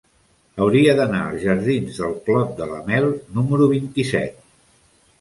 Hauria d'anar als jardins del Clot de la Mel número vint-i-set.